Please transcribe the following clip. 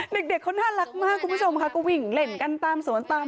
เด็กเขาน่ารักมากคุณผู้ชมค่ะก็วิ่งเล่นกันตามสวนตาม